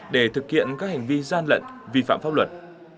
để thực hiện các hành vi gian lận vi phạm pháp luật